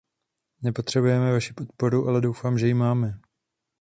Nepotřebujeme vaši podporu, ale doufám, že ji máme.